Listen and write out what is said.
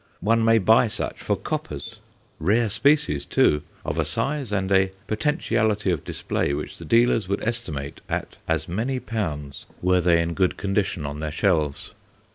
One may buy such for coppers rare species, too of a size and a "potentiality" of display which the dealers would estimate at as many pounds were they in good condition on their shelves.